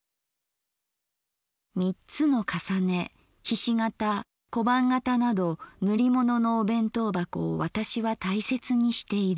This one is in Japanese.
「三つの重ね菱形小判型など塗り物のお弁当箱を私は大切にしている。